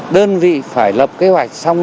đơn vị phải lập kế hoạch xong